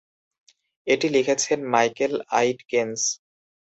এটি লিখেছেন মাইকেল আইটকেনস।